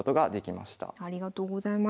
ありがとうございます。